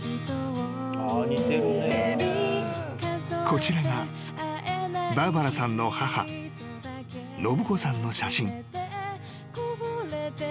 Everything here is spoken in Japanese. ［こちらがバーバラさんの母信子さんの写真］